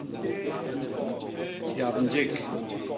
Hyap njék.